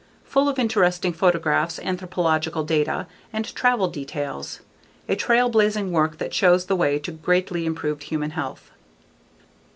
Full of interesting photographs, anthropological data, and travel details. A trail blazing work that shows the way to greatly improved human health.